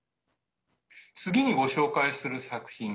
次にご紹介する作品。